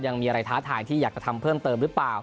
ยังมีอะไรท้าทายที่อยากจะทำเพิ่มเติมหรือเปล่า